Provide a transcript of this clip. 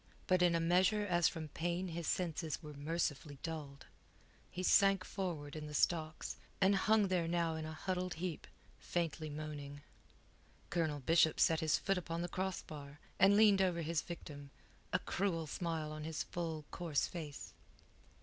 But in a measure as from pain his senses were mercifully dulled, he sank forward in the stocks, and hung there now in a huddled heap, faintly moaning. Colonel Bishop set his foot upon the crossbar, and leaned over his victim, a cruel smile on his full, coarse face.